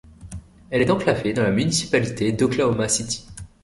Elle est enclavée dans la municipalité d'Oklahoma City.